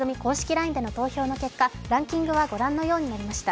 ＬＩＮＥでの投票の結果、ランキングはご覧のようになりました。